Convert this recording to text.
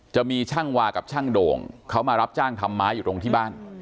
จะมีช่างวากับช่างโด่งเขามารับจ้างทำไม้อยู่ตรงที่บ้าน